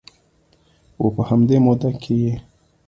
و په همدې موده کې یې